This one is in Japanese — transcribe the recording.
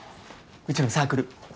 うちのサークル。